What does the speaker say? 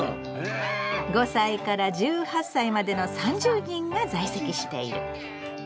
５歳から１８歳までの３０人が在籍している。